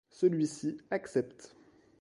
Celui-ci accepte.